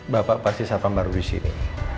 bapak pasti satan baru disini